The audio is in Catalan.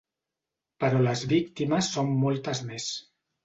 Però les víctimes son moltes més.